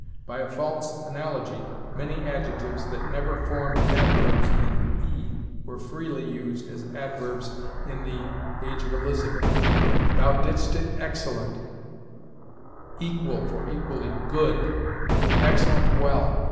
By a false analogy, many adjectives that never formed adverbs in _ e_ were freely used as adverbs in the age of Elizabeth: 'Thou didst it excellent,' 'equal (for equally) good,' 'excellent well.'